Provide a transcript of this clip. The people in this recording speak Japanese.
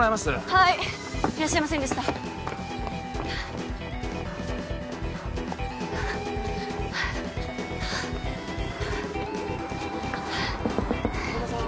はいいらっしゃいませんでした紺野さん